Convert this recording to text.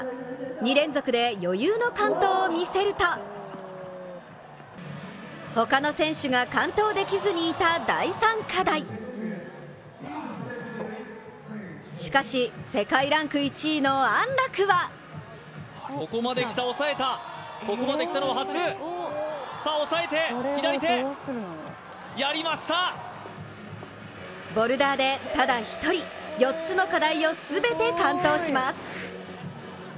２連続で、余裕の完登を見せるとほかの選手が完登できずにいた中しかし、世界ランク１位の安楽はボルダーでただ一人、４つの課題を全て完登します。